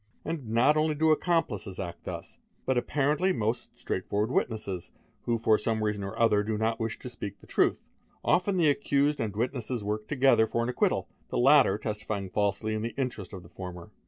b 4 And not only do accomplices act thus, but apparently most straight . f orward witnesses, who for some reason or other do not wish to speak the t th; often the accused and witnesses work together for an acquittal, ; he latter testifying falsely in the interest of the former.